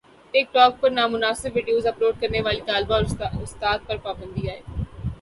ٹک talk پر نامناسب video upload کرنے والی طالبہ اور استاد پر پابندی عائد